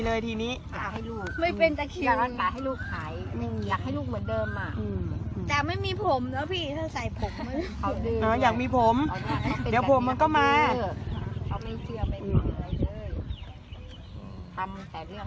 เดี๋ยวผมมันก็มาเขาไม่เชื่อไปขมันเลย